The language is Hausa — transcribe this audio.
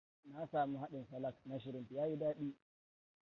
Na samu haɗin salak na Shrimp ya yi daɗi.